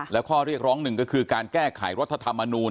และข้อเรียกร้องหนึ่งก็คือการแก้ไขรัฐธรรมนูล